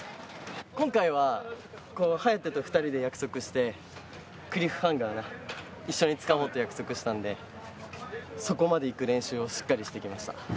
今回は颯と２人で約束して、クリフハンガーな、一緒につかもうって約束したので、そこまで行く練習をしっかりしてきました。